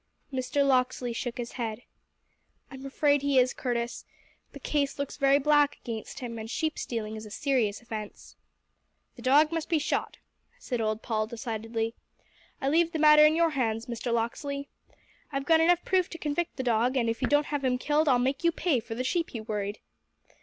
Mr. Locksley shook his head. "I'm afraid he is, Curtis. The case looks very black against him, and sheep stealing is a serious offence." "The dog must be shot," said old Paul decidedly. "I leave the matter in your hands, Mr. Locksley. I've got enough proof to convict the dog and, if you don't have him killed, I'll make you pay for the sheep he worried."